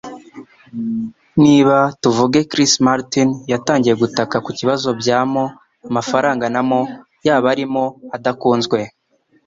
Niba, tuvuge, Chris Martin yatangiye gutaka kubibazo bya mo 'amafaranga na mo', yaba ari mo 'adakunzwe.